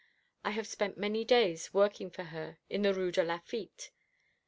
I have spent many days working for her in the Rue de Lafitte.